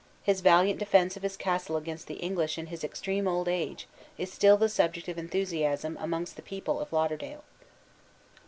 His valiant defense of his castle against the English in his extreme old age, is still the subject of enthusiasm amongst the people of Lauderdale.